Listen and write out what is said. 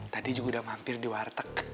tadi juga udah mampir di warteg